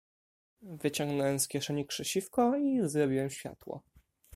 "Wyciągnąłem z kieszeni krzesiwko i zrobiłem światło."